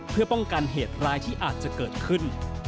เพื่อป้องกันเหตุร้ายที่อาจจะเกิดขึ้น